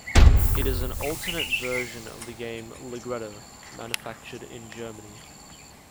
It is an alternate version of the game Ligretto, manufactured in Germany.